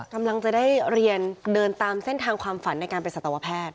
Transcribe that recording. กำลังจะได้เรียนเดินตามเส้นทางความฝันในการเป็นสัตวแพทย์